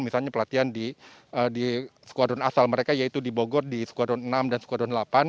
misalnya pelatihan di squadron asal mereka yaitu di bogor di squadron enam dan squadron delapan